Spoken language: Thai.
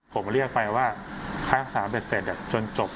ผมเรียกไปว่าค่ารักษาเบ็ดเสร็จจนจบ